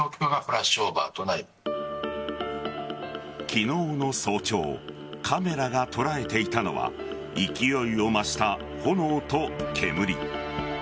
昨日の早朝カメラが捉えていたのは勢いを増した炎と煙。